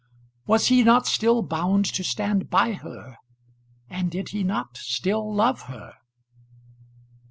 Was he not still bound to stand by her? And did he not still love her?